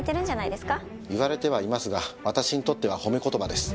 言われてはいますが私にとっては褒め言葉です。